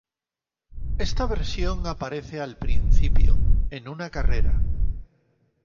Esta versión aparece al principio, en una carrera.